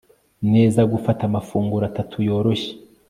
neza gufata amafunguro atatu yoroshye